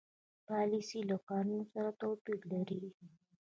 پالیسي له قانون سره توپیر لري.